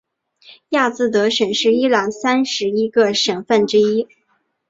亚兹德省是伊朗三十一个省份之一。